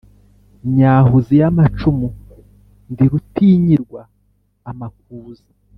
nyahuzi y'amacumu ndi rutinyirwa amakuza,